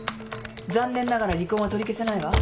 残念ながら離婚は取り消せないわ。